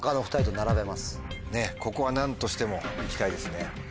ここは何としてもいきたいですね。